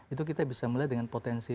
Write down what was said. itu kita bisa melihat dengan potensi